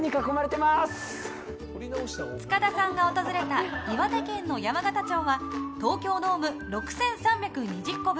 塚田さんが訪れた岩手県の山形町は東京ドーム６３２０個分。